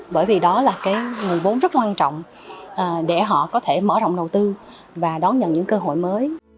bởi vì đó là cái nguồn vốn rất quan trọng để họ có thể mở rộng đầu tư và đón nhận những cơ hội mới